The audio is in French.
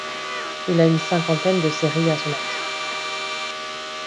Il a une cinquantaine de séries à son actif.